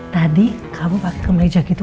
tadi kamu pake kemeja gitu